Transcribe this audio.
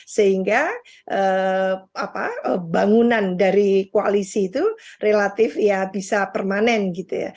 sehingga bangunan dari koalisi itu relatif ya bisa permanen gitu ya